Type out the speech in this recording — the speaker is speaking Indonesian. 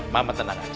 mama tenang aja